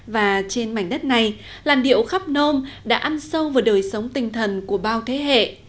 và trên mảnh đất này làn điệu khắp nôm đã ăn sâu vào đời sống tinh thần của bao thế hệ